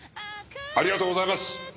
ありがとうございます！